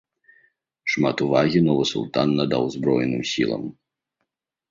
Шмат увагі новы султан надаў узброеным сілам.